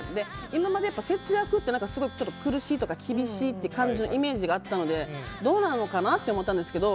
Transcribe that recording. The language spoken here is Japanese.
今まで節約ってすごい苦しいとか厳しいというイメージがあったのでどうなのかなって思ったんですけど